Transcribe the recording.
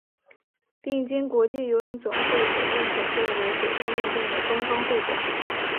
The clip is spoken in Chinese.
并经国际游泳总会所认可作为水上运动的官方会馆。